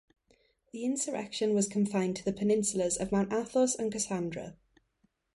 The insurrection was confined to the peninsulas of Mount Athos and Kassandra.